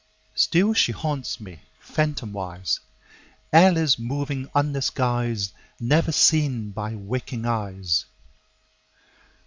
Still she haunts me, phantomwise, Alice moving under skies Never seen by waking eyes.